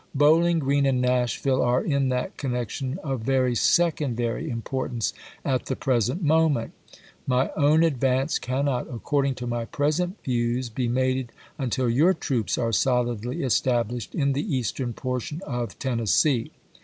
Bowling Grreen and Nashville are in that connection of very secondary importance at the present moment. My own advance cannot, accord ing to my present views, be made until your troops are solidly established in the Eastern portion of Tennessee.